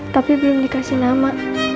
tapi belum dikasih nama